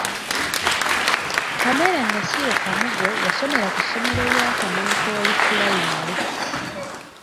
Pamela Nasiyo Kamugo yasomera ku ssomero lya Kamonkoli pulayimale.